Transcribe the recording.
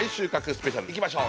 スペシャルいきましょう。